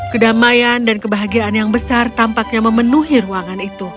kedamaian dan kebahagiaan yang besar tampaknya memenuhi ruangan itu